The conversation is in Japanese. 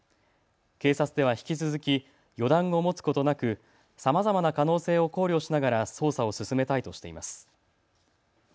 警察では引き続き、予断を持つことなくさまざまな可能性を考慮しながら捜査を進めたいとしています。